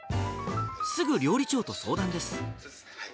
すぐ料理長と相談です。